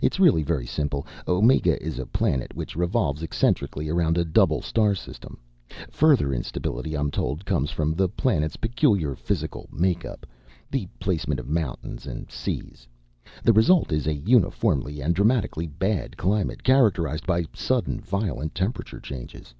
"It's really very simple. Omega is a planet which revolves eccentrically around a double star system. Further instability, I'm told, comes from the planet's peculiar physical make up the placement of mountains and seas. The result is a uniformly and dramatically bad climate characterized by sudden violent temperature changes."